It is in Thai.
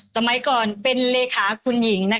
สมัยก่อนเป็นเลขาคุณหญิง